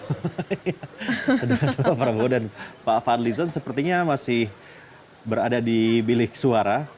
sedangkan pak prabowo dan pak fadlizon sepertinya masih berada di bilik suara